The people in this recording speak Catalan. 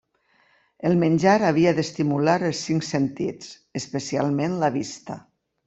El menjar havia d'estimular els cinc sentits, especialment la vista.